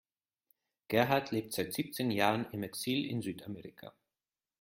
Gerhard lebt seit siebzehn Jahren im Exil in Südamerika.